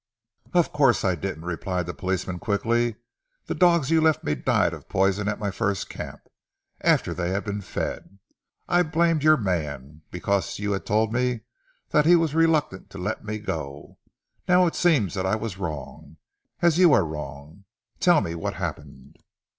"Of course I didn't!" replied the policeman quickly. "The dogs you left me died of poison at my first camp, after they had been fed. I blamed your man, because you had told me that he was reluctant to let me go. Now it seems that I was wrong, as you are wrong. Tell me what happened?"